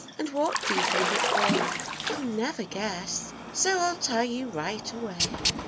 And what do you think it was? You'll never guess, so I'll tell you right away.